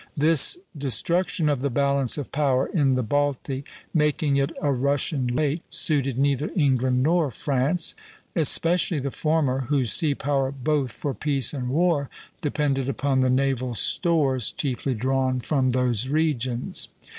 This destruction of the balance of power in the Baltic, making it a Russian lake, suited neither England nor France; especially the former, whose sea power both for peace and war depended upon the naval stores chiefly drawn from those regions.